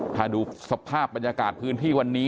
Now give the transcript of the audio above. ถ้าดูสภาพบรรยากาศพื้นที่วันนี้